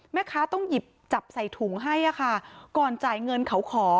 แม่ค้าต้องหยิบจับใส่ถุงให้ก่อนจ่ายเงินเขาขอ